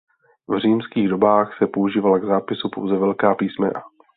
V římských dobách se používala k zápisu pouze velká písmena.